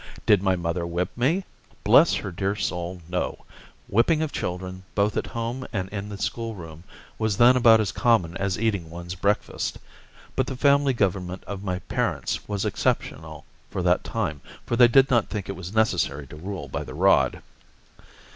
Did my mother whip me? Bless her dear soul, no! Whipping of children, both at home and in the school room, was then about as common as eating one's breakfast; but the family government of my parents was exceptional for that time, for they did not think it was necessary to rule by the rod.